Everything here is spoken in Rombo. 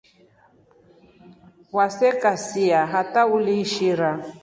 Waseka siya hata uliishira.